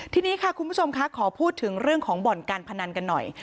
ทีนี้ค่ะคุณผู้ชมคะขอพูดถึงเรื่องของบ่อนการพนันกันหน่อย